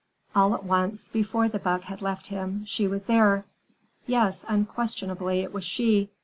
All at once, before the buck had left him, she was there. Yes, unquestionably it was she.